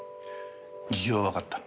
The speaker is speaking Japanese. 事情はわかった。